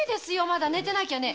まだ寝てなきゃね。